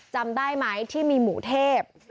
จำได้ไหมที่มีหมูเทพ